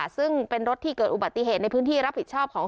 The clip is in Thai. ซึ่งเป็นรถที่เกิดอุบัติเหตุในพื้นที่รับผิดชอบของ